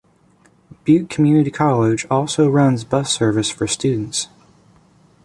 Butte Community College also runs bus service for students.